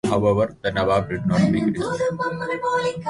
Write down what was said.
However, the Nawab did not make a decision.